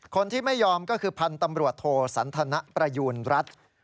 คนที่ไม่ยอมก็คือพันธ์ตำรวจโทสันทนประยูณรัฐ